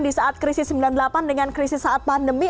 di saat krisis sembilan puluh delapan dengan krisis saat pandemi